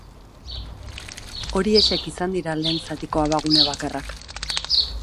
Horiexek izan dira lehen zatiko abagune bakarrak.